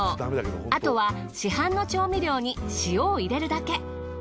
あとは市販の調味料に塩を入れるだけ。